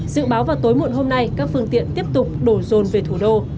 dự báo vào tối muộn hôm nay các phương tiện tiếp tục đổ rồn về thủ đô